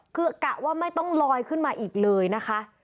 คือกะว่าไม่ต้องลอยขึ้นมาอีกเลยนะคะ